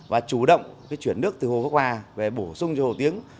và chủ động chuyển nước từ hồ quốc hòa về bổ sung cho hồ tiếng